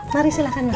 mari silahkan mas